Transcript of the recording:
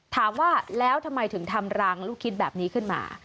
ถามว่าแล้วทำไมถึงทำรังลูกคิดแบบนี้ขึ้นมา